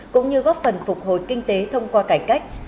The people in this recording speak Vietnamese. cũng như góp phần phục hồi kinh tế thông qua cải cách